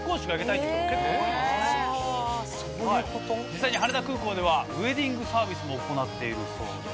実際に羽田空港ではウェディングサービスも行っているそうで。